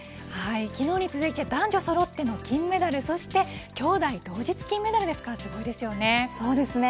昨日に続いて男女そろっての金メダルそして、きょうだい同日金メダルですからそうですね。